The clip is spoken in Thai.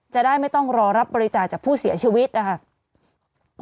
จะได้ไม่ต้องรอรับบริจาคจากผู้เสียชีวิตนะคะ